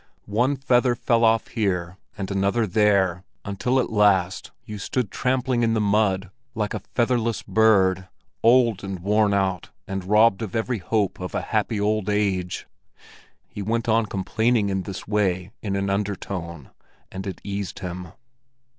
One feather fell off here, and another there, until at last you stood trampling in the mud like a featherless bird—old and worn out and robbed of every hope of a happy old age. He went on complaining in this way in an undertone, and it eased him.